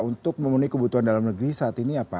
untuk memenuhi kebutuhan dalam negeri saat ini apa